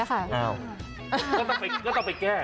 ก็ต้องไปแก้